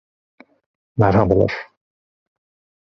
Merhabalar.